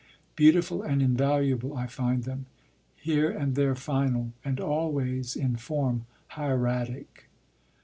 Beautiful and invaluable I find them; here and there final; and always, in form, hieratic.